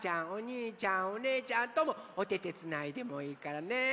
おにいちゃんおねえちゃんともおててつないでもいいからね。